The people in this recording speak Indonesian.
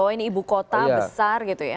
oh ini ibu kota besar gitu ya